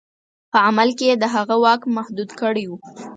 په عمل کې یې د هغه واک محدود کړی وو.